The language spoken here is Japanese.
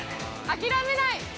◆諦めない！